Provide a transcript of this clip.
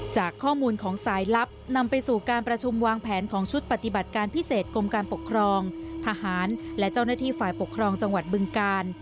จากข้อมูลของสายลับนำไปสู่การประชุมวางแผนของชุดปฏิบัติการพิเศษกรมการปกครองทหารและเจ้าหน้าที่ฝ่ายปกครองจังหวัดบึงกาล